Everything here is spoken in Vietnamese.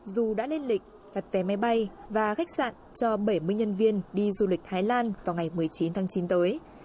dù đã lên lịch đặt vé máy bay và khách sạn cho bảy mươi nhân viên đi du lịch thái lan vào ngày một mươi chín tháng chín tới